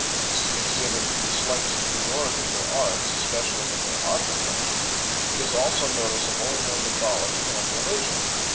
This is exhibited in the slight superiority of their arts, especially in their architecture. It is also noticeable in their mythology and religion.